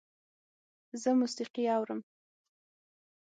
زه موسیقي اورم